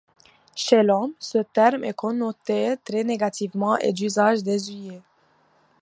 Chez l'homme, ce terme est connoté très négativement et d'usage désuet.